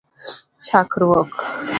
chakruok